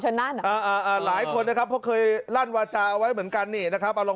อ๋อหมอชนานเหรอ